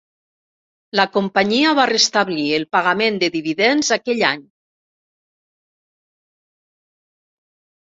La companyia va restablir el pagament de dividends aquell any.